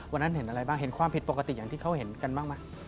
วันนั้นเห็นอะไรบ้างเห็นความผิดปกติอย่างที่เขาเห็นกันบ้างไหม